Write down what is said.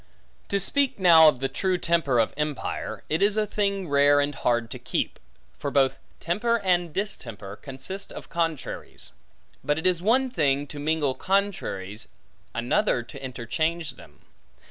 To speak now of the true temper of empire, it is a thing rare and hard to keep; for both temper, and distemper, consist of contraries. But it is one thing, to mingle contraries, another to interchange them.